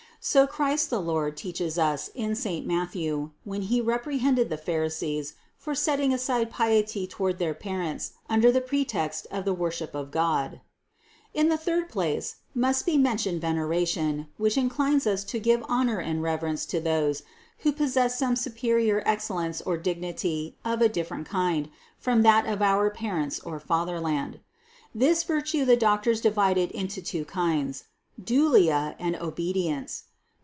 So Christ the Lord teaches us in saint Matthew, when He reprehended the pharisees for setting aside piety toward their parents under the pre text of the worship of God. In the third place must be mentioned veneration, which inclines us to give honor 432 CITY OF GOD and reverence to those, who possess some superior ex cellence or dignity of a different kind from that of our parents or fatherland. This virtue the doctors divide into two kinds : dulia and obedience.